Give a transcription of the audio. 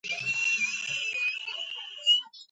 აგრეთვე ხელმისაწვდომი გახდა ალბომის წინასწარი შეკვეთის ბმული.